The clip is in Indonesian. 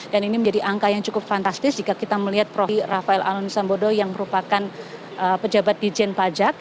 dan ini menjadi angka yang cukup fantastis jika kita melihat profil rafael alun trisambodo yang merupakan pejabat di dijan pajak